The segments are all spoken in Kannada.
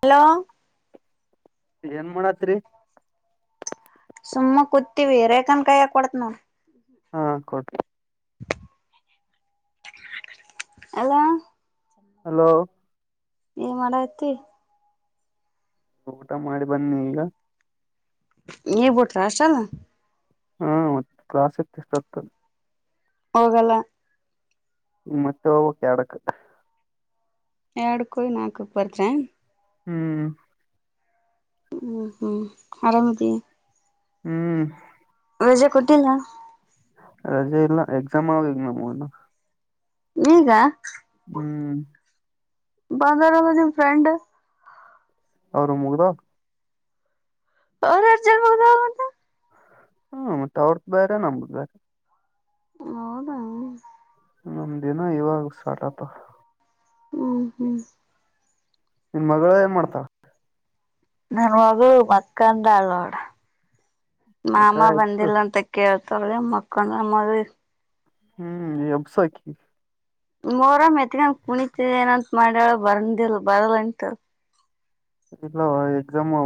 ಹಲೋ ಏನ್ ಮಾಡತ್ರಿ ಸುಮ್ಮ ಕೂತಿೀವಿ ರೇಖಾನ್ ಕಾಯಕ್ ಕೊಡತ್ ನಾವ ಹಾ ಕೊಟಿ ಅಲ್ಲಾ ಹಲೋ ಏ ಮಾಡಐತಿ ಊಟ ಮಾಡಿ ಬನ್ನಿ ಈಗ ಈ ಬಟ್ರಲ್ಲ ಹ್ಮ ಮತ್ತೆ ಕ್ಲಸ್ ಎತ್ತು ಎಷ್ಟತದೆ ಹೋಗಲ್ಲ ಈ ಮತ್ತಕ್ಕೆ ಅಡಕ್ ಎರಡು ಕಯಿ ನಾಲ್ಕು ಬರಿಚನ್ ಹ್ಮ್ ಹ್ಮ್ ಹ್ಮ್ ಆರಾಮದ ಹ್ಮ್ ರಜೆ ಕೊಟ್ಟಿಲ್ಲ ರಜೆ ಇಲ್ಲ ಎಕ್ಸಾಮ್ ಆಗಗ ಮಾಮ್ನು ಈಗ ಹ್ಮ್ ಬಂದ ರ ನಿಫ್ರೆಂಡ ಅವರು ಮುಗ್ದ ಅವ ಅರ್ಜರ್ ಮುದಂತ ಹ್ಮ ಮತ್ತ ಅವ್ರದ್ದ ಬೇರೆ ನಮ್ದ್ ಬೇರೆ ಹದ ಹ ನಮ ದಿನ ಇವಾಗ ಸ್ಟಾರ್ಟ್ ಆತ ಹ್ಮ್ ಹ್ಮ್ ನಿನ್ ಮಗಳ ಏನ್ ಮಾಡ್ತಾ ನನ್ ಮಗ ಮಕ್ಕಂದ ಅಳೋಡ ಯಾಕ ಮಾಮ ಎಬ್ಸು ಬಂದಿಲ್ಲ ಅಂತ ಕೇಳ್ ಸ ಮಕ್ಕಳ ಮಾಡರಿ ಹ್ಮ್ ಈ ಅಬ್ಸಕಿ ಮೋರ ಮೆತ್ಗನ್ ಕುಣಿತ ಏನಂತ ಮಾಡ್ಯಳ ಬರ್ಂದಿಲ್ ಬರಲ್ಂಟು ಇಲ್ಲವಾ ಎಕ್ಸಾಮ್ವಾ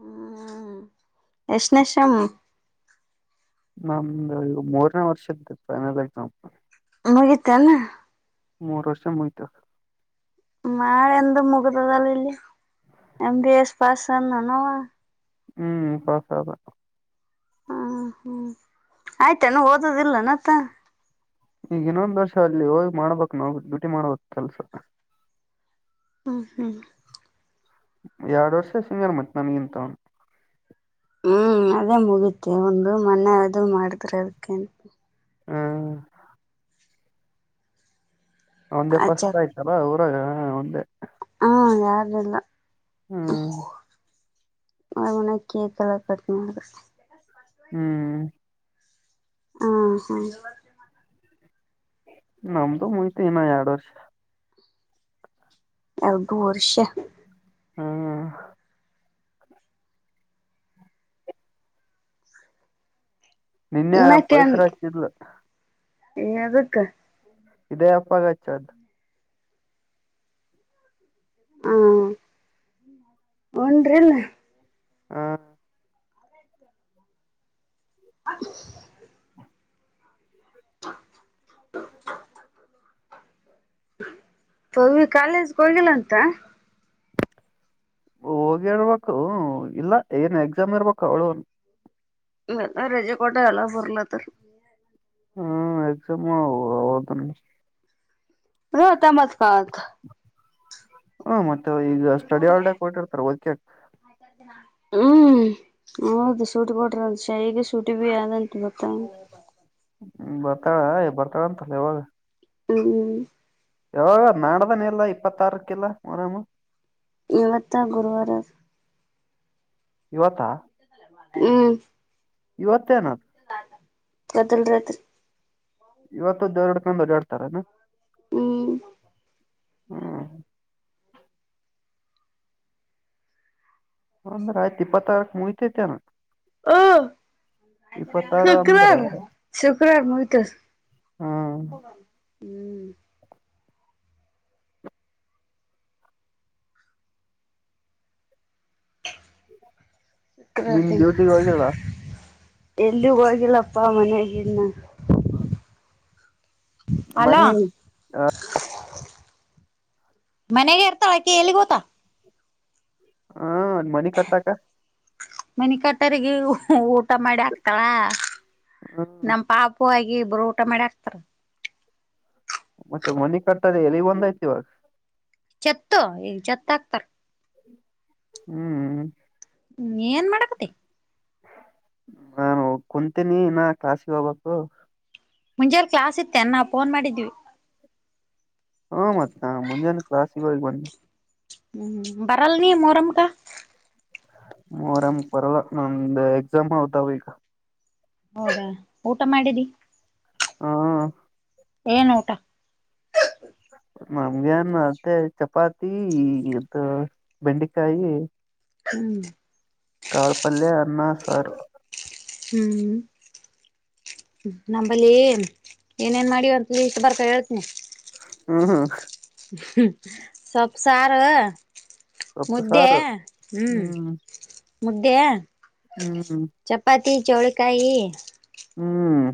ಹ್ಮ್ ಎಸ್ಟ್ನೆ ಸೇಮ್. ನಮ್ದು ಈ ಮೂರನೇ ವರ್ಷದ್ದ ಫೈನಲ್ ಎಕ್ಸಾಮ್. ಮುಗಿತ ಅನು. ಮೂರ್ ವರ್ಷಿಗಿ ಮುಗಿತದ. ನಳೆಂದ ಮುಗ್ದದಲ್ಲ ಇಲ್ಲಿ ಎಮ ಬಿ ಎಸ್ ಪಾಸ್ ಅದನ್ವ. ಹ್ಮ್ ಪಾಸ್ ಆದ. ಹ್ಮ ಹ್ಮ್ ಆಯ್ತಾನ ಓದದಿಲ್ಲ ಅತ. ಈಗ ಇನ್ನೊಂದ್ ವರ್ಷ ಅಲ್ಲಿ ಹೋಗಿ ಮಾಡ್ಬಕ್. ನಾವು ಡ್ಯೂಟಿ ಮಾಡ್ಬ ಕೆಲ್ಸ ಹ್ಮ್, ಹ್ಮ್ ಎರಡ್ ವರ್ಷ ಸೀನಿಯರ್ ಮತ್ತ ನನಗಿಂತ ಅವನು. ಹ್ಮ್ ಅದೇ ಮುಗತಿ ಒಂದು ಮನೆ ಅದು ಮಾಡಿದ್ರೆ ಅದಕ್ಕೆಂತ. ಹ್ಮ್. ಒಂದೆ ಪಸ್ತ ಆಯ್ತಲ್ಲ. ಹ ಹ ಒಂದೇ. ಹ್ಮ ಯಾರಲ್ಲ. ಹ್ಮ್. ಅವನ್ನ ಕೇಕಲ್ಲ ಕಟ್ಟ ಮಾಡು ಹ್ಮ್. ಹಾ ಸ ನಮದ ಮುಗೀತು ಇನ್ನ ಎರಡು ವರ್ಷ. ಅ ಬುರ್ಷ ಹ್ಮ್. ನಿನ್ನೆ ಪವಿತ್ರ ಹಚ್ಚಿದ್ಲು. ಎದಕ್ಕ. ಇದೇ ಅಪ್ಪಾಗ ಚದ್ ಹಾ ಉಡ್ರೀಲ್. ಹಾ. [inaudible] [inaudible] ಪವಿ ಕಾಲೇಜ್ಗೆ ಹೋಗಿಲ್ಲ ಅಂತ. ಹೋಗಿರ್ಬೇಕು. ಇಲ್ಲ ಏನ್ ಎಕ್ಸಾಮ್ ಇರ್ಬೇಕು ಅವಳುನು. ನಲ್ಲ ರಜೆ ಕೋಟೆ ಅಲ್ಲ ಬರ್ಲತರಾ. ಹ್ಮ ಎಕ್ಸಾಮ್ ಹದು [unintelligible] ಹ್ಮ ಮ ಈಗ ಸ್ಟಡಿ ಹಾಲಿಡೇ ಕೊಟ್ಟಿತ್ತರ ಓದಕ್ಕಕ. ಹ್ಮ್ ಹೌದು ಸೂಟಿ ಕೊಟ್ರರಂತ್ ಶಿಗಿ ಸೂಟಿ ಭೀ ಆದಂತ ಗೊತ್ತ ಹ್ಮ ಬರ್ತಾಳ ಬರ್ತ ಆದತ್ಲ ಯಾವಾಗ. ಹ್ಮ. ಯಾವಾಗ ನಾಡ್ದಾನ ಎಲ್ಲ ಇಪ್ಪತ್ತಾರಕಲ್ಲ ಮೊರಂ. ಇವತ್ತ ಗುರುವಾರ ಆದ. ಇವತ್ತಾ, ಹ್ಮ್. ಇವತ್ತೇನದ. ಕದಲ್ ರತ್ರಿ ಇವತ್ತದ್ದ ಎರಡ್ ಕಂದ ಎಡ್ತಾರನಾ ಹ್ಮ್ ಹ್ಮ ಹಂದ ರಾಯ ತಿಪ್ಪ ತಾರಕ ಮುಹಿತೆ ಚನ ಓ ಅಂದ್ರ ಶುಕ್ರವಾರ ಶುಕ್ರವಾರ ಮುಗಿತ್ತದೆ ಹ್ಮ್ ಹ್ಮ್ ಶುಕ್ರವಾರ ನಿಮ ಡ್ಯೂಟಿಗೆ ಹೋಗ್ಯಲ್ಲ ಎಲ್ಲಿಗ ಹೋಗಿಲ್ಲಪ್ಪಾ ಮನಗೆ ಇನ್ನ ಅಲ ಮನಿ ಮನೆಗೆ ಇರ್ತಾಳಕಿ ಎಲ್ಲಿ ಗೋತಾ ಹಾ ಮನಿ ಕತ್ತಾಕ್ಕ ಮನ ಕಟ್ಟರಿಗೆ ಊಟ ಮಾಡಿ ಆಗ್ತಳ ಹ್ಮ್ ನಮ ಪಾಪು ಆಗಿ ಬಬ್ರು ಊಟ ಮಾಡಿ ಹಾಕ್ತಾರ ಮತ್ತೆ ಮನಿ ಕಟ್ಟದೆ ಎಲ್ಲಿಗ್ ಬಂದಯ್ತಿ ಇವಾಗ ಚತ್ತು ಈಗ ಚತ್ತು ಹಾಕ್ತಾರ ಹ್ಮ್್ಮ ಹ್ಮ ಏನ್ ಮಾಡಕತಿ ನಾನು ಕುಂತೀನಿ ಇ ನ ಕಸಿಗೆ ಹೋಗ್ಬಕ್ು ಮುಂಜಾರೆ ಕ್ಲಾಸ್ ಇತ್ತೇ ನಾ ಫೋನ್ ಮಾಡಿದ್ವಿ ಹ್ಮ ಮತ್ತ ಮುಂಜಾನೆ ಕ್ಲಾ ಶಿವಾಜ ಬ ಹ್ಮ್ ಬರಲ್ಲ ನೀ ಮೋರಮ ಕ ಮರಮ ಪರಲ್ಲ ನಮ ಎಕ್ಸಾಮ ಅವತ ಈಗ ಹೌದಾ ಊಟ ಮಾಡಿದಿ ಹಾ ಏನ್ ಊಟ ನಮ್ಗೆನ್ ಅತ್ತೇ ಚಪಾತಿ ಇದು ಬೆಂಡೆಕಾಯಿ ಹ್ಮ್ ಕಾಳಪಲ್ಯ ಅನ್ನ ಸಾರ್ ಹ್ಮ್ ನಂಬಲ್ಲಿ ಏನೇನ್ ಮಾಡಿವ ಅಂತ ಇಷ್ಟ ಬರ್ಕ ಹೇಳ್ತನಿ ಹ್ಮ್ ಸೊಪ್ಪು ಸಾರು ಸೊಪ್ಪು ಮುದ್ದೆ ಸಾರು ಹ್ಮ್ ಮುದ್ದೆ ಹ್ಮ್ ಜೋಳಕಾಯ ಹ್ಮ್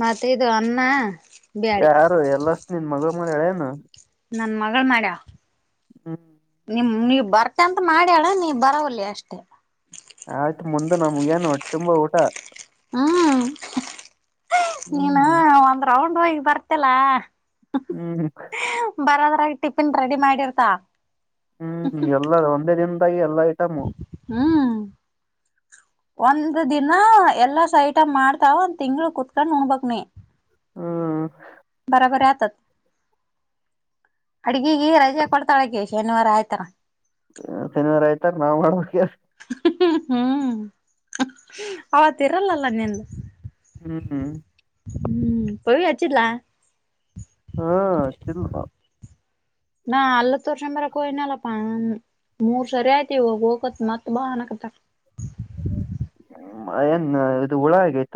ಮತ್ತೆ ಇದು ಅನ್ನ ಬ್ಯಾಳಿ ಯಾರು ಎಲ್ಲ ನಿನ್ ಮಗಳ ಮರ ಎಳೇನ ನನ್ನ ಮಗಳು ಮಾಡ್ ಹ್ಮ್ ನಿನ್ ಬರ್ತ್ಯ ಅಂತ ಮಾಡ್ಯಳ ನೀ ಬರವಲ್ಲೆ ಅಷ್ಟೇ ಆಯ್ತು ಮುಂದೆ ನಮ್ಗ ಏನು ಹೊಟ್ಟೆ ತುಂಬಾ ಊಟ ಹ್ಮ ನೀನು ಹ್ಮ್ ಒಂದ್ ರೌಂಡ್ ಈಗ ಬರ್ತಿಲ್ಲ ಹ್ಮ್ ಟಿಫಿನ್ ರೆಡಿ ಮಾಡಿರ್ತಾ ಹ್ಮ್ ಎಲ್ಲ ಒಂದೇ ದಿನದಾಗ ಹ್ಮ್ ಒಂದ್ ದಿನ ಎಲ್ಲಾ ಐಟಂ ಮಾಡ್ತಾಳ ಒಂದ ತಿಂಗಳ ಕುೂತ್ಕೊಂಡ್ ಉಣ್ಣಬೇಕು ನೀ ಹ್ಮ ಬರಬರಿ ಆತತ್ ಅಡ್ಗೆಗೆ ರಜೆ ಕೊಡ್ತಾಳೆ ಹಾಕಿ ಶನಿವಾರ ಆಯ್ತಾರ ಶನಿವಾರ ಆಯ್ತಾರ ನಾವ್ ಮಾಡಬೇಕಾ ಹ್ಮ ಹ್ಮ್ ಅವತ್ ಇರಲ್ಲಲ್ಲ ನಿಂದು ಹ್ಮ್ ಹ್ಮ್ ಪವಿ ಹಚ್ಚಿದ್ಲಾ ಹು ಹಚ್ಚಿದ್ಲಾಪ್ಪ ನಾ ಹಲ್ಲು ತೋರಿಸ್ಕೊಂಡು ಬರಕೆ ಹೋಗಿದ್ನಲಪ್ಪ ಮೂರ್ ಸರಿ ಆಯ್ತು ಈವಾಗ ಹೋಗಬೇಕು ಮತ್ ಬಾ ಹಾನ್ನಾಕತರ ಏನ್ ಇದು ಹುಳ ಆಗೈತ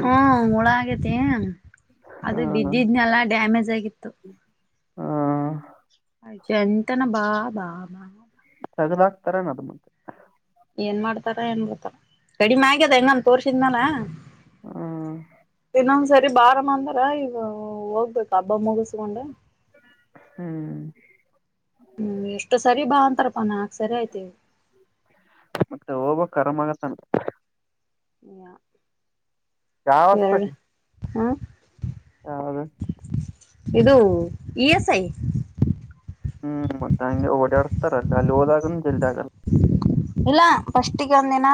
ಹು ಹುಳ ಆಗೈತಿ ಅದು ಹ್ಮ ಬಿದ್ದಿದ್ನೆಲ್ಲಾ ಡ್ಯಾಮೇಜ್ ಆಗಿತ್ತು ಹಾ ಎಂತನ ಬಾ ಬಾ ಬಾ ಬಾ ತೆಗೆದುಹಾಕ್ತೇರೇನು ಅದು ಏನ್ ಮಾಡ್ತಾರ ಏನ್ ಮಾಡಡ್ತಾರ ಕಡಿಮೆ ಆಗ್ಯದ ಹೆಂಗನ್ ತೋರ್ಸಿದ್ನಾಲ ಹ್ಮ ಇನ್ನ ಒಂದು ಸರಿ ಬಾರಮ್ಮ ಅಂತ ಹ ಈಗ ಹೋಗ್ಬೇಕು ಹಬ್ಬ ಮುಗಿಸಿಕೊಂಡು ಹ್ಮ್ ಹ್ಮ್ ಎಷ್ಟು ಸರಿ ಬಾ ಅಂತಾರಪ್ಪ ಮತ್ತೆ ಹೋಗಬೇಕು ಕರೆದಾಗ ಹ [unintelligible] ಯಾವ ಹಾಸ್ಪಿಟಲ್ ಹಾ ಹೌದು ಇದು ಇ ಎಸ್ ಐ ಹ್ಮ್ ಮೆ ಓಡಾಡಸ್ತಾರಲ್ಲ ಅಲ್ಲಿ ಹೋದಾಗ [inaudible] ಇಲ್ಲ ಫಸ್ಟಿಗೆ ಒಂದ ದಿನ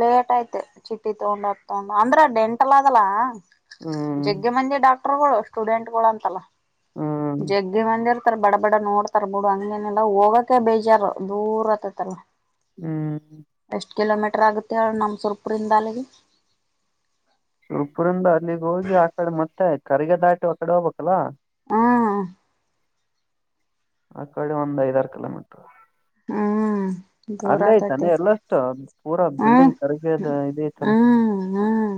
ಲೇಟ್ ಯ್ತೆ ಚಿಟ್ಟಿ ತಗೊಂಡ್ ಹಕ್ ತಗೊಂಡ್ ಅಂದ್ರ ಡೆಂಟಲ್ಲ ಅದಲ್ಲಾ. ಹ್ಮ್ ಜಗ್ಗೆ ಮೆ ಡಾಕ್. ಪಗಳು ಸ್ಟೂಡೆಂಟ್ ಗಳು ಅಂತಲ್ಲ ಹ್ಮ್ ಜಗ್ಗೆ ಮಂದರ್. ಬಡ ಬಡ ನೋಡ್ತರ್ ಬಿಡು ಹಂಗೇನೆಲ್ಲ ಹೋಗೋಕೆ ಬೇಜಾರು. ದೂರ ಆತತ್ತಹಂಗ. ಹ್ಮ್. ಎಷ್ಟ್ ಕಿಲೋಮೀಟರ್ ಆಗುತ್ತೆ ಅವು ನಮ್ಮ್ಸುರ್ಪುರಿಂದ ಅಲ್ಲಿಗೆ. ತುಪುರಂದ. ಇಲ್ಲಿಗ್ ಹೋಗಿ ಆ ಕಡೆ ಮತ್ತ ಆ್ತು. ಕರಿಗ ದಾಟಿ ಅಕ್ಕಡೆ ಹೋಗಬಬೇಕಕ್ಕಲ್ಲಾ. ಹ್ಮ್. ಆ ಕಡೆ ಒಂದ್ ಐದಾರ ಕಿಲೋಮೀಟರ್. ಹ್ಮ್. ದೂರ ಅಲ್ಲೇ ಆಯ್ತಾನ ಆತೈತಿ ಎಲ್ಲಷ್ಟು. ಪೂರಾ ಹ್ಮ್ ಬಿಲ್ಡಿಂಗ್ ಕರಗದ ಇದ ಇತಲ್ಲ. ಹ್ಮ್ ಹ್ಮ್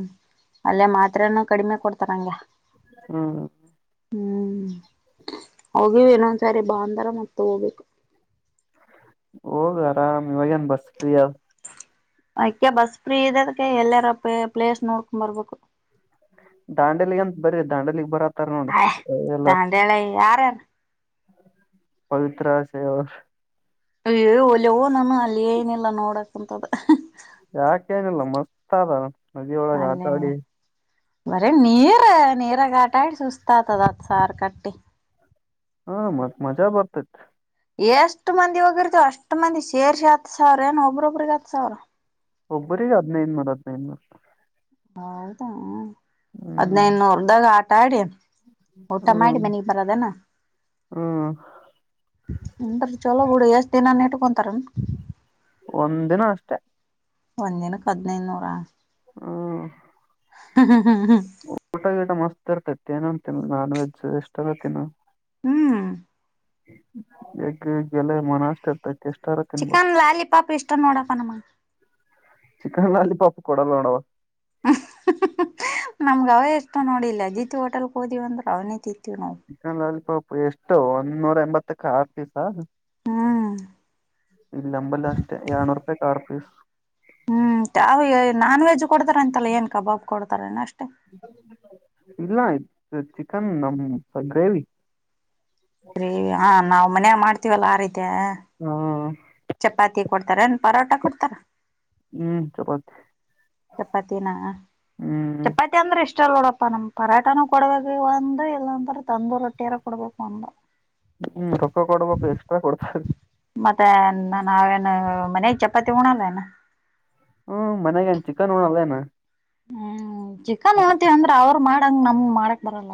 ಬತರಂಗ. ಹಾ. ಹ್ಮ್ ಹೋಗಿವಿ ಇನ್ನೊಂದ್ಸರಿ ಬಾಂದಾರ ಮತ್ ಹೋಗ್ಬೇಕು. ಹೋಗ ಆರಾಮ್ ಇವಾಗೇಏನ್ ಬಸ್ ಪ್ರಿ ಅದಾವ. ಅಯ್ಕ ಬಸ್ ಫ್ರೀ ಇದೆ ಅದ್ಕ್ಕೆ ಎಲ್ಲಾರ ಪ ಪ್ಲೇಸ್ ನೋಡ್ಕೊಂಡ್ ಬರ್ಬೇಕು. ದಾಂಡಲಿ ಅಂತ ಬರೀ ದಾಂಡಲಿಗ್ ಬರತ್ತ. ಹಯ್ ದಾಂಡೆಲಿ ಯಾರ. ಪವತ್ರ ಸ ಅವ. ಅಯ ಒಲೆವು ನಾನು ಅಲ್ಲಿ ಏನಿಲ್ಲ ನೋಡಕಂತದ. ಯಾಕೇಏನಿಲ್ಲ ಮಸ್ತ್ ಆದಾರ. ನದಿ ಒಳಗೆ ಆತಾಡಿ. ಬರ ನೀರ ನೀರ ಗಾಟ ಆ ಸುಸ್ತ ಆತದ ಅತ್ ಸಾರು ಕಟ್ಟಿ. ಹಾ ಮತ್ತ್ ಮಜಾ ಬರ್ತತ್. ಎಷ್ಟು ಮಂದಿ ಹೋಗಿರ್ತೋ ಅಷ್ಟ್ ಮಂದಿ ಸೇರ್ಸಿ ಹತ್ತು ಸಾವಿರ ಏನೋ ಒಬ್ರೊಬ್ರಿಗೆ ಹತ್ತುತ್ ಸಾವಿರ. ಒಬ್ಬರಿಗೆ ಹದಿನೈದ ನೂರೂ ಹದಿನೈದು ನೂರ. ಹೌದಾ. ಹ್ಮ್ ಹದಿನೈನೂರದಾಗ ಆ. ತಡೆ. ಊಟ ಮಾಡಿ ಹ್ಮ್ ಮನಗ್ ಬರದನಾ. ಹ್ಮ್ ಎಂತ ಚಲೋ ಬಿುಡ ಎಷ್ಟು ದಿನಾನೇು. ಬಂತಾರೆಣ. ಒಂದ್ ದಿನ ಅಷ್ಟೆ. ಒಂದ ದಿನಕ್ಕೆ ಹದಿನೈನೂರಾ. ಹ್ಮ. ಹಾಂ ಹಾಂ ಊಟ ಗಿಟಾ ಮಸ್ತ್ ಇರ್ತ ಏನೋ ಒಂದ್ ತಿನ್ನು ನಾನ್ ವೆಜ್ ಎಷ್ಟ [unintelligible] ತಿನ್ನು ಹ್ಮ್ ಯಗ್ ಗೆಲೆ ಮನೋ ಅಷ್ಟ ಐತೆ ಚಿಕನ್ ಲಾಲಿಪಾಪ್ ಇಷ್ಟ ನೋಡಪ್ಪ ನಮ್ಮ. ಚಿಕನ್ ಲಾಲಿಪಾಪ್ ಕೊಡಲ್ಲ ನೋಡು. ಹ್ಮ ನಮ್ಗ ಅವೇ ಎಷ್ಟೋ ನೋಡಿಲ್ಲಿ ಅಜಿತಿ ಹೋಟಲ್ಗೆ ಹೋದಿವೆ ಅಂದ್ರ ಅವ್ನಿ ತಿಂತೀವಿ ನಾವು ಚಿಕನ್ ಲಾಲಿಪಾಪ್ ಎಷ್ಟು ಒಂದ್ ನೂರ ಎಂಬತ್ತಕ್ಕ ಆರು ಪೀಸಾ ಹ್ಮ್ ಇಲ್ ನಂಬಲ್ಲಿ ಅಷ್ಟೇ ಎರಡನೂರು ರೂಪಾಯಿಗೆ ಆರ್ ಪೀಸ್ ಹ್ಮ್ ತಾವು ನಾನ್ ವೆಜ್ ಕೊಡ್ತಾರ ಅಂತಲ್ಲ ಏನ್ ಕಬಾಬ್ ಕೊಡ್ತಾರನ ಅಷ್ಟು. [unintelligible] ಇಲ್ಲ ಇ ಚಿಕನ್ ನಮ್ ಗ್ರೇವಿ ಗ್ರೇವಿಯ ನಾವು ಮನೆಯ ಮಾಡ್ತವಲ್ಲ ಆ ರೀತಿ ತ್ಯಾ ಹಾ ಚಪಾತಿ ಕೊಡ್ತಾರ್ ಏನ್ ಪರೋಟ ಕೊಡ್ತಾರ. ಹ್ಮ್ ಚಪಾತಿ ಚಪಾತಿನ ಹ್ಮ್ ಚಪಾತಿ ಅಂದ್ರೆ ಇಷ್ಟ್ ನೋಡಪ್ಪಾ ನಮ್ ಪರಾಟನ ಕೊಡ್ಬೇಕ ಒಂದ ಇಲ್ಲಾಂತರ ತಂದೂರು ರೊಟ್ಟಿಯಾರ ಕೊಡ್ಬೇಕು ಒಂದ. ಹ್ಮ್ ರೊಕ್ಕ ಕೊಡ್ಬೇಕು ಎಕ್ಸ್ಟ್ರಾ ಕೊಡ್ತಾರೆ [unintelligible] ನಾವೇನು ಮನೆ ಚಪಾತಿ ಉಣಲೆನ್ನಾ ಹ್ಮ್ ಮನ್ಯಾ ಏನ್ ಚಿಕನ್ ಉಣ್ಣಲೇನ ಹ್ಮ್ ಚಿಕನ್ ಹೇಳುತಿವಿ ಅಂದ್ರೆ ಅವರು ಮಾಡ್ ಅಂಗ್ ನಮ್ ಮಾಡಕ್ ಬರಲ್ಲ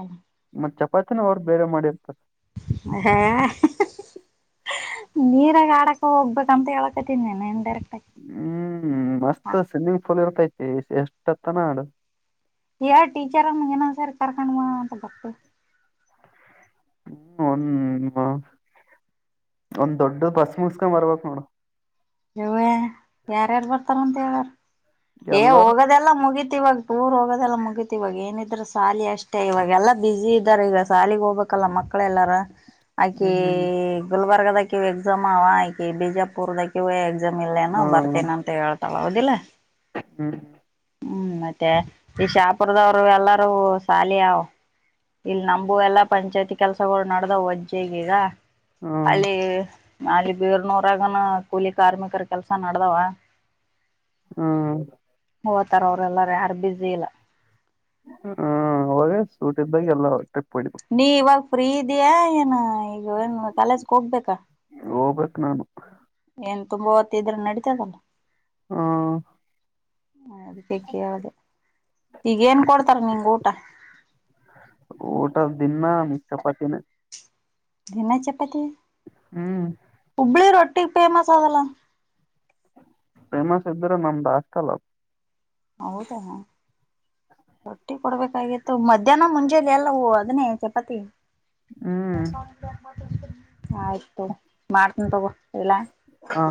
ಮತ್ ಚಪಾತಿನ ಅವ್ರು ಬೇರೆ ಮಾಡಿರ್ತಾರೆ. ಹಾಂ ನೀರಾಗ ಆಡಕ್ ಹೋಗಬೇಕ ಅಂತ ಹೇಳ್ಕೊತೀನಿ ಇನ್ ಡೈರೆಕ್ಟ್ ಆಗಿ ಹ್ಮ್ ಹ ಮಸ್ತ್ ಸ್ವಿಮ್ಮಿಂಗ್ ಫೂಲ್ ಇರ್ತೈತಿ. ಎಷ್ಟತ್ತನಾ ಆಡು ಯಾರ್ ಟೀಚರ್ಮ್ಮಗೆ ಇನ್ನೊಂದ್ ಸರಿ ಕರ್ಕೊಂಡ ಬಾ [unintelligible] ಹ್ಮ್ ಒಂದ ಒಂದ್ ದೊಡ್ಡ ಬಸ್ ಮುಸ್ಕ ಬರಬೇಕು ನೋಡು ಯವ್ವ ಯಾರ್ ಯಾರ್ ಬರ್ತಾರ ಅಂತ ಹೇಳಾರ ಏ ಎಲ್ಲಾರು ಹೋಗೋದೆಲ್ಲ ಮುಗಿತ್ತು. ಇವಾಗ ಟೂರ್ ಹೋಗೋದೆಲ್ಲ ಮುಗೀತಿ ಇವಾಗ ಏನಿದ್ರ ಶಾಲಿ ಅಷ್ಟೆ ಇವಾಗೆಲ್ಲಾ ಬ್ಯುಸಿ ಇದ್ದಾರೆ ಈಗ ಶಾಲಿಗೆ ಹೋಗ್ಬೇಕಲ್ಲ ಮಕ್ಕಳೆಲ್ಲಾರ. ಎ...... ಹ್ಮ್ [unintelligible] ಗುಲ್ಬರ್ದದಕಿ ಎಕ್ಸಾಮ್ ಅವ ಆಯಿಕೆ ಬಿಜಾಪುರ್ದಾಗಿ. ಇವ. ಎಕ್ಸಾಮ್ ಇಲ್ಲೇನೋ ಬರ್ತೇನಿ ಅಂತೇಳ್. ಹೌದಿಲ್ಲೆ. ಹ್ಮ. ಹ್ಮ್ ಮತ್ತೆ ಈ ಶಾಪುರದವರು ಎಲ್ಲಾರೂ ಶಾಲಿಯ. ಇಲ್ಲಿ ನಮಗೂ ಎಲ್ಲಾ ಪಂಚಾಯ್ತಿ ಕೆಲ್ಸಗಳು ನಡ್ದ ವಜ್ಜಗೀಗ. ಹ್ಮ್ ಅಲ್ಲಿ. ಅಲ್ಲಿ ಬೇರ್ನೂರಗನ ಕೂಲಿ ಕಾರ್ಮಿಕರ ಕೆಲ್ಸ ನಡದಾವ. ಹ್ಮ. ಹೋತರ. ಲ್ಲಾರ ಯಾರು ಬ್ಯುಸಿ ಇಲ್ಲ. ಸೂಟ್ದಾಗ ಎಲ್ಲ. ಹೊಡಿಬೇಕು ನೀವಾಗ. ಪ್ರೀತಿಯ ಏನ. ಈಗ ಒನ್ ಕಾಲೇಜಕ್ ಹೋಗ್ಬೇಕಾ ಹೋಗ್ಬೇಕ್ ನಾನು ಎಂತ. ತುಂಬಾ ಹೊತ್ತ ಇದ್ರ ನಡಿತತದಲ್ಲ. ಹ ಅದಕ್ಕೆ ಕೇಳ್ದ ಈಗ ಏನ್ ಕೊಡ್ತಾರ ನಿಂಗ ಊಟ. ಹ್ಮ್ಮ್. [unintelligible] ಊಟದ ದಿನ ಚಪಾತಿನೆ. ದಿನ ಚಪಾತಿ.. ಹ್ಮ್. ಇಬ್ಳಿ ರೊಟ್ಟಿ ಫೇಮಸ್ ಆದಲ್ಲಾ.. ಪ್ರೇಮಾ ಸಬ್್ದರ ನಾಮದ ಹಾಸ್ಟೆಲ್. ಹೌದಾ ರೊಟ್ಟಿ ಕೊಡ್ಬೇಕಾಗಿತ್ತು ಮಧ್ಯಾಹ್ನ ಮುಂಜಲಿ ಎಲ್ಲ ಹೂ ಅದನ್ನೇ ಚಪಾತಿ. ಹ ಹ್ಮ್ [unintelligible] ಆಯ್ತು ಮಾಡ್ತನ ತಗೋ ಎಲ್ಲಾ. ಹಾ.